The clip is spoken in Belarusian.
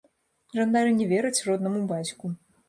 Жандары не вераць роднаму бацьку.